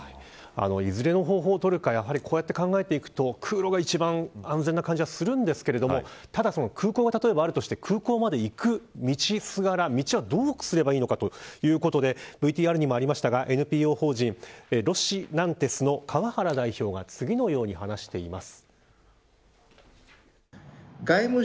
いずれの方法をとるかこうやって考えていくと空路が一番安全な感じがするんですがただ空港が例えばあるとして空港まで行く道すがら道をどうすればいいのかということでＶＴＲにもありましたがＮＰＯ法人の川原代表が次のように話しています。